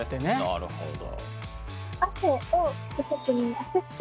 なるほど。